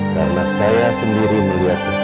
karena saya sendiri melihat secara langsung